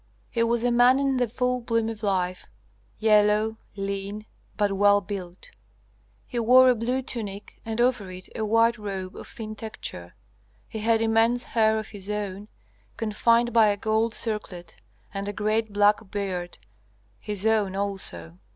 He was a man in the full bloom of life, yellow, lean, but well built. He wore a blue tunic and over it a white robe of thin texture. He had immense hair of his own, confined by a gold circlet, and a great black beard, his own also.